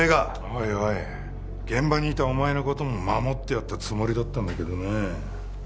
おいおい現場にいたお前の事も守ってやったつもりだったんだけどねえ。